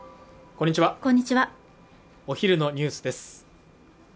こんにちはお昼のニュースです